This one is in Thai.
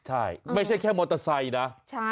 ใช่ไม่ใช่แค่มอเตอร์ไซค์นะ